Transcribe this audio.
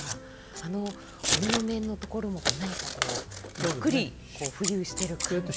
あの鬼の面のところも何かこうゆっくり浮遊してる感じで。